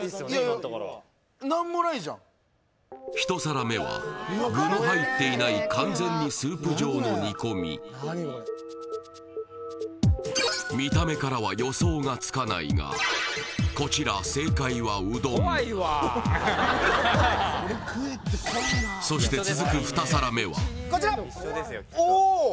１皿目は具の入っていない完全にスープ状の煮込み見た目からは予想がつかないがこちらそして続くこちらおお！